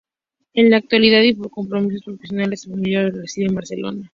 En la actualidad, y por sus compromisos profesionales y familiares, reside en Barcelona.